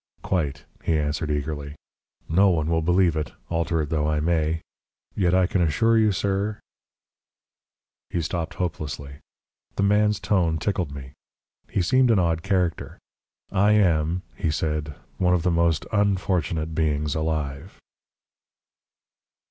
"Quite," he answered eagerly. "No one will believe it, alter it though I may. Yet I can assure you, sir " He stopped hopelessly. The man's tone tickled me. He seemed an odd character. "I am," he said, "one of the most unfortunate beings alive."